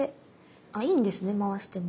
あいいんですね回しても。